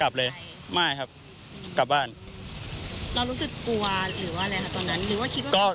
แล้วรู้สึกกลัวหรืออะไรค่ะตอนนั้นหรือว่าคิดว่าจะคน